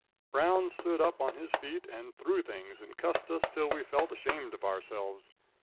"Brown stood up on his feet, and threw things, and cussed us till we felt ashamed of ourselves.